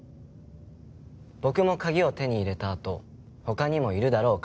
僕も鍵を手に入れたあと他にもいるだろう